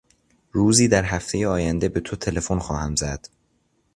روزی در هفتهی آینده به تو تلفن خواهم زد.